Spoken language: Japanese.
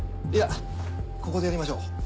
いやここでやりましょう。